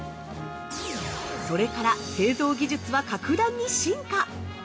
それから製造技術は格段に進化。